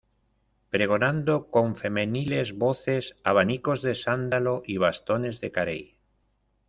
pregonando con femeniles voces abanicos de sándalo y bastones de carey.